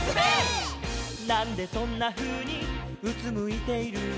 「なんでそんなふうにうつむいているの」